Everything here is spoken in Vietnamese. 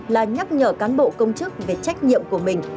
là nhắc nhở cán bộ công chức về trách nhiệm của mình